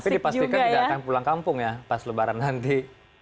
tapi dipastikan tidak akan pulang kampung ya pas lebaran nanti